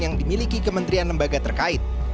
yang dimiliki kementerian lembaga terkait